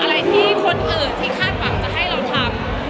อะไรที่คนอื่นที่คาดหวังจะให้เราทำ